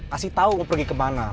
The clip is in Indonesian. kasi tau mau pergi kemana